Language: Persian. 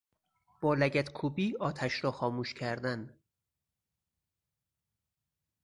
با لگد کوبی آتش را خاموش کردن